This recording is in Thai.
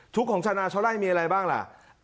ของชาวนาชาวไล่มีอะไรบ้างล่ะ